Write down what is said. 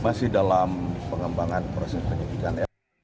masih dalam pengembangan proses penyidikan